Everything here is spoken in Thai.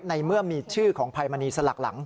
ในเมื่อมีชื่อของภัยมณีสลักหลัง